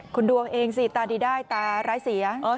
คุณดวงเองสิตาดีได้ตาร้ายเสีย